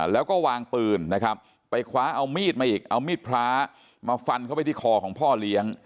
แล้วก็วางปืนนะครับไปคว้าเอามีดมาอีกเอามีดพระมาฟันเข้าไปที่คอของพ่อเลี้ยง